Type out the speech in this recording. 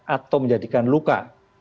atau menjadikan luka